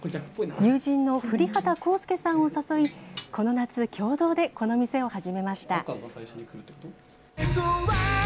友人の降籏幸輔さんを誘い、この夏、共同でこの店を始めました。